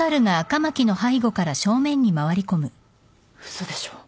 嘘でしょ？